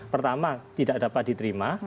pertama tidak dapat diterima